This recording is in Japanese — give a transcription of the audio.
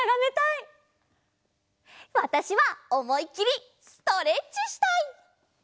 わたしはおもいきりストレッチしたい！